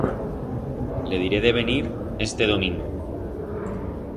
Le diré de venir este domingo.